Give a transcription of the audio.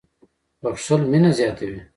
• بښل مینه زیاتوي.